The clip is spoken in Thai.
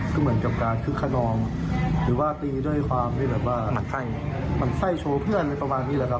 ก็เหมือนกับการคึกขนองหรือว่าตีด้วยความที่แบบว่าหัดไส้หัดไส้โชว์เพื่อนอะไรประมาณนี้แหละครับ